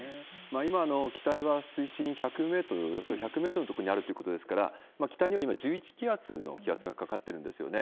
今、機体は水深１００メートル、およそ１００メートルの所にあるということですから、機体には今、１１気圧の気圧がかかってるんですよね。